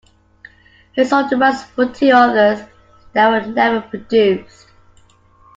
He sold the rights for two others that were never produced.